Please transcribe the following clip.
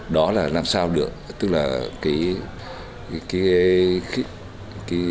đó là làm sao được tức là cái